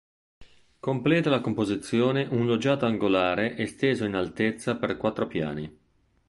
Completa la composizione un loggiato angolare esteso in altezza per quattro piani.